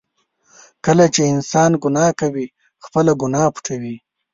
کله چې انسان ګناه کوي، خپله ګناه پټوي.